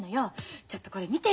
ちょっとこれ見てよ。